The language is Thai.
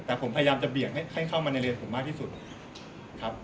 แต่ผมพยายามจะเบี่ยงให้เข้ามาในเลนผมมากที่สุดครับ